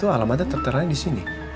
alamatnya tertera disini